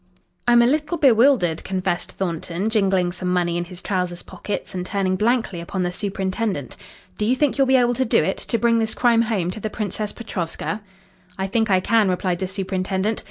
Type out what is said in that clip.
"I'm a little bewildered," confessed Thornton, jingling some money in his trousers pockets and turning blankly upon the superintendent. "Do you think you'll be able to do it to bring this crime home to the Princess Petrovska?" "I think I can," replied the superintendent.